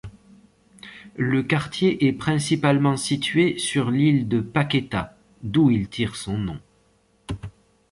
Le quartier est principalement situé sur l'île de Paquetá, d'où il tire son nom.